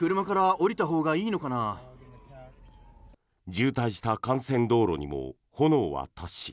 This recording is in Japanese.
渋滞した幹線道路にも炎は達し